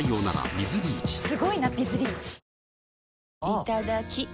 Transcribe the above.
いただきっ！